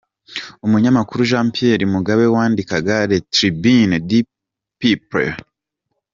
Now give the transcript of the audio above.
Umunyamakuru Jean Pierre Mugabe wandikaga le Tribun du Peuple